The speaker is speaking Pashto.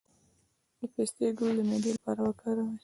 د پسته ګل د معدې لپاره وکاروئ